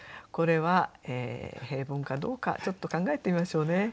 これは平凡かどうかちょっと考えてみましょうね。